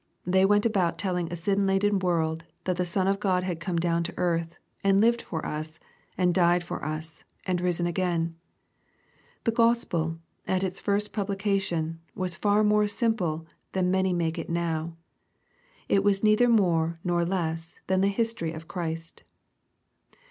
They went about telling a sin laden world, that the Son of God had come down to earth, and lived for us, and died for us, and risen again. The Gospel, at its first publication, was far more simple than many make it now. It was neither more nor less than the history of Christ.